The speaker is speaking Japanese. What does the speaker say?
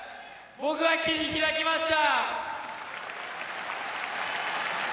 僕は切り開きました！